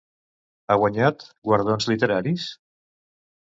Ha guanyat guardons literaris?